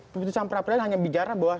putusan pra peradilan hanya bicara bahwa